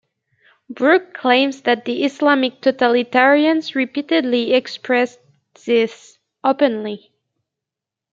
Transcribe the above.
Brook claims that the Islamic totalitarians repeatedly express this, openly.